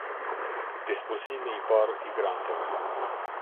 Disbursimi i parë i granteve.